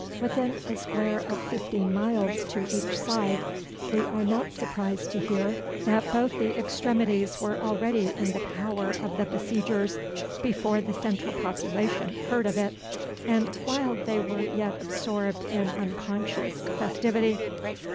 Within a square of fifteen miles to each side, we are not surprised to hear that both the extremities were already in the power of the besiegers before the central population heard of it, and while they were yet absorbed in unconscious festivity.